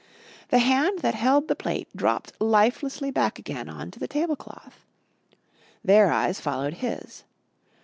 The hand that held the plate dropped lifelessly back again on to the table cloth. Their eyes followed his.